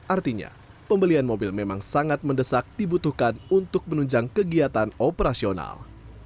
artinya pembelian mobil memang sangat mendesak dibutuhkan untuk menunjang kegiatan operasional